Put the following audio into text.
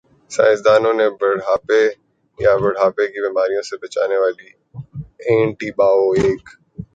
سائنسدانوں نےبڑھاپے یا بڑھاپے کی بیماریوں سے بچانے والی اینٹی بائیوٹک